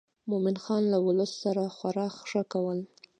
مومن خان له ولس سره خورا ښه کول.